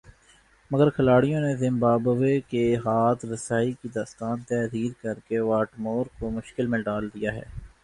مگر کھلاڑیوں نے زمبابوے کے ہاتھوں رسائی کی داستان تحریر کر کے واٹمور کو مشکل میں ڈال دیا ہے